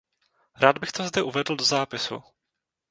Rád bych to zde uvedl do zápisu.